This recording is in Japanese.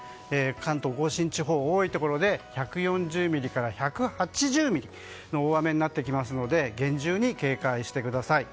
関東・甲信地方多いところで１４０ミリから１８０ミリの大雨になるので厳重に警戒してください。